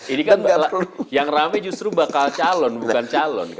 ini kan yang rame justru bakal calon bukan calon